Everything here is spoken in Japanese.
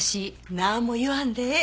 なんも言わんでええ。